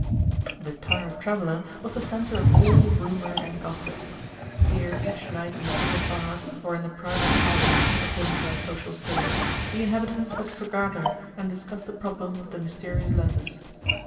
The Tired Traveller was the centre of all rumour and gossip. Here each night in the public bar, or in the private parlour, according to their social status, the inhabitants would forgather and discuss the problem of the mysterious letters.